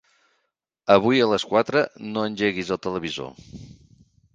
Avui a les quatre no engeguis el televisor.